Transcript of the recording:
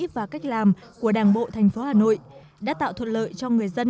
và cách làm của đảng bộ tp hà nội đã tạo thuận lợi cho người dân